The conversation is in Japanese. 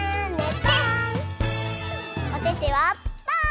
おててはパー！